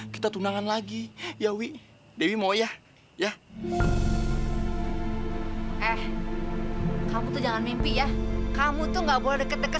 kita undangan lagi ya uwi dewi mau ya ya eh kamu tuh jangan mimpi ya kamu tuh enggak boleh teg tegek